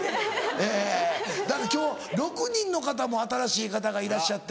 え今日６人の方新しい方がいらっしゃって。